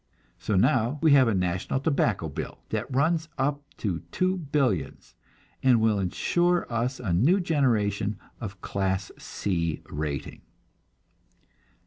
So now we have a national tobacco bill that runs up to two billions, and will insure us a new generation of "Class C" rating.